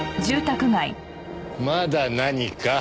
まだ何か？